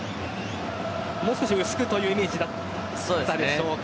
もう少し薄くというイメージだったでしょうか。